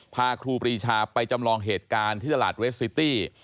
ครูปรีชาไปจำลองเหตุการณ์ที่ตลาดเวสซิตี้